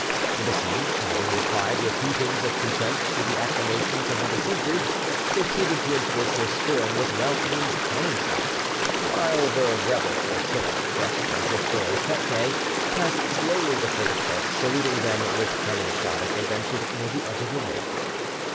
The besieged, having replied with hootings of contempt to the acclamations of the besiegers, proceeded to enforce their scorn with well aimed cannon shots, while the rebel flotilla, dressed as if for a fete day, passed slowly before the Turks, saluting them with cannon shot if they ventured near the edge of the lake.